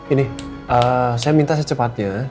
ini saya minta secepatnya